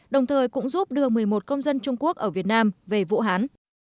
đồng thời cũng giúp đưa một mươi một công dân trung quốc ở việt nam về vũ hán